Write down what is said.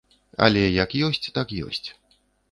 Але як ёсць, так ёсць.